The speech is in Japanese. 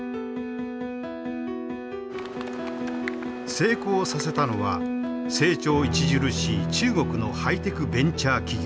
成功させたのは成長著しい中国のハイテクベンチャー企業。